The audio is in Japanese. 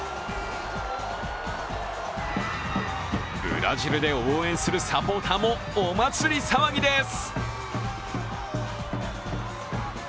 ブラジルで応援するサポーターもお祭り騒ぎです。